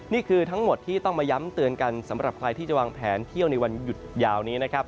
นี่คือทั้งหมดที่ต้องมาย้ำเตือนกันสำหรับใครที่จะวางแผนเที่ยวในวันหยุดยาวนี้นะครับ